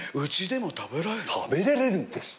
食べられるんです。